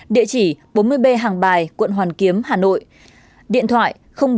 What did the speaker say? địa chỉ bốn mươi b hàng bài quận hoàn kiếm hà nội điện thoại bốn mươi ba chín nghìn ba trăm chín mươi sáu hai trăm năm mươi một